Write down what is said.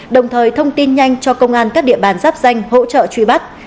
đồng thời thông tin nhanh cho công an các địa bàn giáp danh hỗ trợ truy bắt